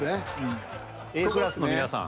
Ａクラスの皆さん。